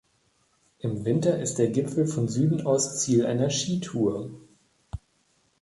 Im Winter ist der Gipfel von Süden aus Ziel einer Skitour.